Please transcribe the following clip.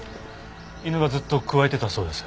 犬がずっとくわえてたそうです。